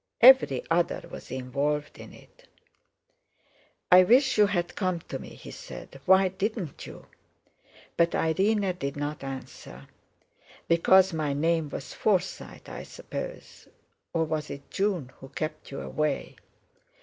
Every other was involved in it. "I wish you had come to me," he said. "Why didn't you?" But Irene did not answer. "Because my name was Forsyte, I suppose? Or was it June who kept you away?